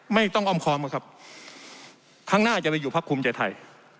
ไม่ต้องอ้อมคอมอะครับครั้งหน้าจะไปอยู่พักภูมิใจไทย